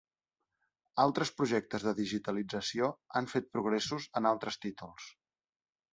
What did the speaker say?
Altres projectes de digitalització han fet progressos en altres títols.